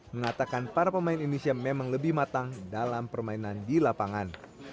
mengatakan para pemain indonesia memang lebih matang dalam permainan di lapangan